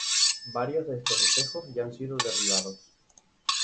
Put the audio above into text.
Varios de estos espejos ya han sido derribados.